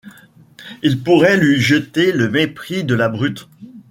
Ils pourraient lui jeter le mépris de la brute !